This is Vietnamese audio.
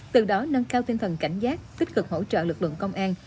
từ đó nâng cao tinh thần cảnh giác tích cực hỗ trợ lực lượng công an